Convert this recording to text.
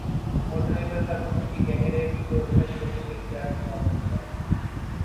motor وے پر خاتون کے گینگ ریپ پرشوبز شخصیات میں غم غصہ